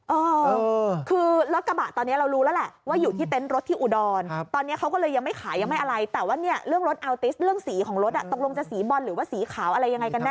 เออคือรถกระบะตอนนี้เรารู้แล้วแหละว่าอยู่ที่เต็นต์รถที่อุดรตอนนี้เขาก็เลยยังไม่ขายยังไม่อะไรแต่ว่าเนี่ยเรื่องรถอัลติสเรื่องสีของรถตกลงจะสีบอลหรือว่าสีขาวอะไรยังไงกันแน